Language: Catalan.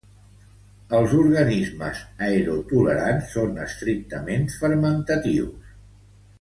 Els organismes aerotolerants són estrictament fermentatius.